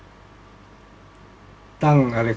ก็ต้องทำอย่างที่บอกว่าช่องคุณวิชากำลังทำอยู่นั่นนะครับ